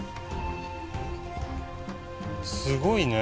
すごいね。